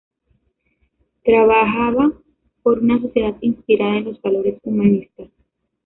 Trabajaba por una sociedad inspirada en los valores humanistas.